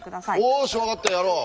おし分かったやろう。